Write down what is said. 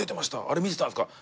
見てたんですか？